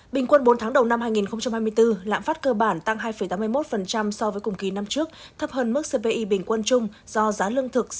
bình quân bốn tháng đầu năm hai nghìn hai mươi bốn lãm phát cơ bản tăng hai tám mươi một so với cùng kỳ năm trước thấp hơn mức cpi bình quân chung do giá lương thực